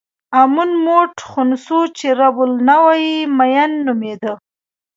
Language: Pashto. امون موټ خونسو چې رب النوع یې مېن نومېده.